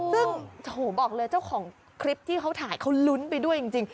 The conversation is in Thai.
ซึ่งโอ้โหบอกเลยเจ้าของคลิปที่เขาถ่ายเขาลุ้นไปด้วยจริง